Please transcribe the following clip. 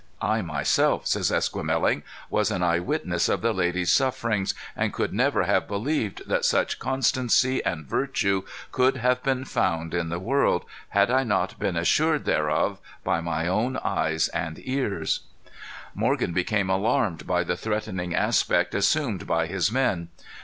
"I myself," says Esquemeling, "was an eye witness of the lady's sufferings, and could never have believed that such constancy and virtue could have been found in the world, had I not been assured thereof by my own eyes and ears." Morgan became alarmed by the threatening aspect assumed by his men.